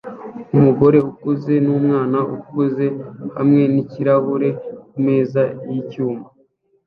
Umugore ukuze numwana ukuze hamwe nikirahure kumeza yicyuma